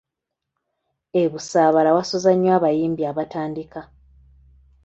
E Busaabala wasuza nnyo abayimbi abatandika.